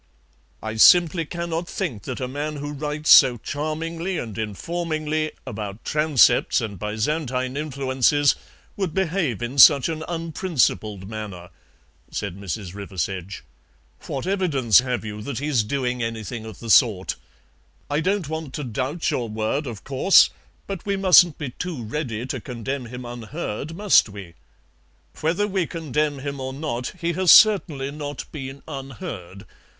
"I simply cannot think that a man who writes so charmingly and informingly about transepts and Byzantine influences would behave in such an unprincipled manner," said Mrs. Riversedge; "what evidence have you that he's doing anything of the sort? I don't want to doubt your word, of course, but we mustn't be too ready to condemn him unheard, must we?" "Whether we condemn him or not, he has certainly not been unheard.